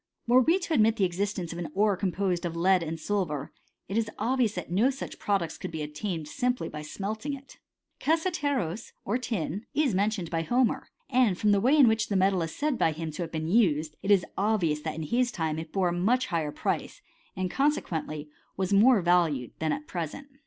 :i Were we to admit the existence of an ore composed of lead and silver, it is obvious that no such product! could be obtained by simply smelting it. i Cassiteros, or tin, is mentioned by Homer; and^" from the way in which the metal is said by him t»' have been used, it is obvious that in his time it bom ft much higher price, and, consequently, was more valued than at present.